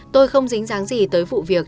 tôi không dính dáng gì tới vụ việc